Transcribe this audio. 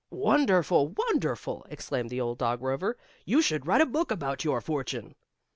"Wonderful! Wonderful!" exclaimed the old dog Rover. "You should write a book about your fortune."